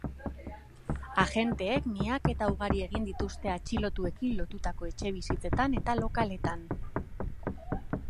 Agenteek miaketa ugari egin dituzte atxilotuekin lotutako etxebizitzetan eta lokaletan.